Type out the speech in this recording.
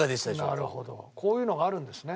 なるほどこういうのがあるんですね。